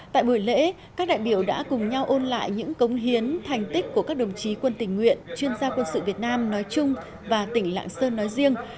tại buổi lễ các đại biểu đã cùng nhau ôn lại những cống hiến thành tích của các đồng chí quân tình nguyện chuyên gia quân sự việt nam nói chung và tỉnh lạng sơn nói riêng